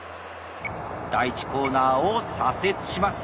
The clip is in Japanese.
第１コーナーを左折します。